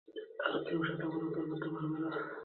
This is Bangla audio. আর কেউ সেটা পরিবর্তন করতে পারবে না।